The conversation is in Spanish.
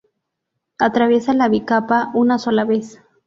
Atraviesa la bicapa una sola vez.